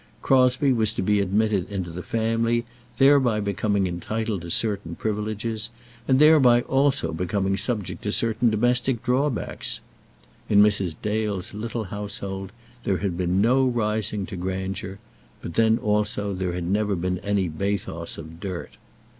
Crosbie was to be admitted into the family, thereby becoming entitled to certain privileges, and thereby also becoming subject to certain domestic drawbacks. In Mrs. Dale's little household there had been no rising to grandeur; but then, also, there had never been any bathos of dirt.